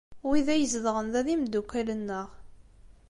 Wid ay izedɣen da d imeddukal-nneɣ.